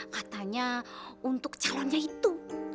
katanya untuk calonnya itu